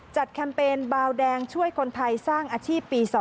แคมเปญบาวแดงช่วยคนไทยสร้างอาชีพปี๒